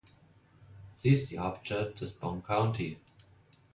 Sie ist Hauptstadt des Bong County.